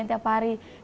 dan saya merasa bahagia